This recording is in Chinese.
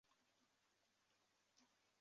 金世宗乃诏命建桥。